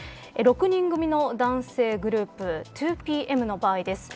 ６人組の男性グループ２ＰＭの場合です。